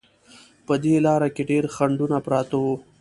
په دې لاره کې ډېر خنډونه پراته وو.